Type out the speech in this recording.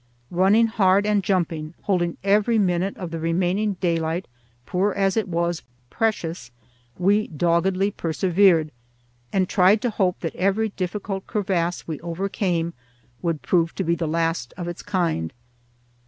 Running hard and jumping, holding every minute of the remaining daylight, poor as it was, precious, we doggedly persevered and tried to hope that every difficult crevasse we overcame would prove to be the last of its kind.